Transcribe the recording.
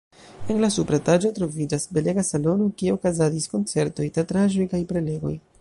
En la supra etaĝo troviĝas belega salono, kie okazadis koncertoj, teatraĵoj kaj prelegoj.